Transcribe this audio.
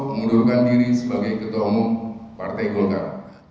mengundurkan diri sebagai ketua umum partai golkar